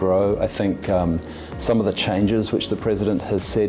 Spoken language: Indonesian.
saya pikir beberapa perubahan yang telah presiden telah katakan